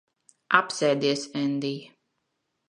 Apsēdies, Endij.